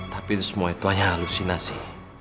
tapi semua itu hanya halusinasi